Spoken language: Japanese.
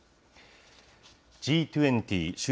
Ｇ２０・